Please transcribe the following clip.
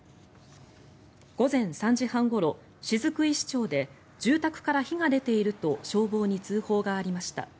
午前３時半ごろ、雫石町で住宅から火が出ていると消防に通報がありました。